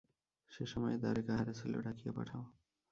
সে-সময়ে দ্বারে কাহারা ছিল ডাকিয়া পাঠাও।